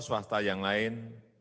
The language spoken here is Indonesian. swasta yang lain